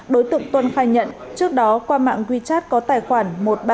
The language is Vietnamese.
đối tượng tuân khai nhận trước đó qua mạng wechat có tài khoản một trăm ba mươi bốn